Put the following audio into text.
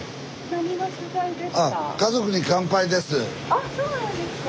あっそうなんですか。